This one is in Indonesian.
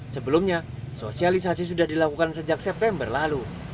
sebelumnya sosialisasi sudah dilakukan sejak september lalu